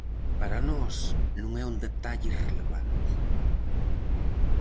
Para nós non é un detalle irrelevante.